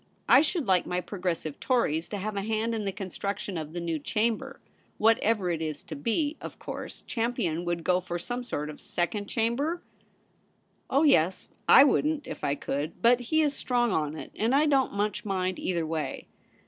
I should Hke my Progressive Tories to have a hand in the construction of the new Chamber, whatever it is to be — of course Champion would eo for some sort of Second Chamber ?'' Oh yes ;/ wouldn't, if I could ; but he is strong on it, and I don't much mind either way.'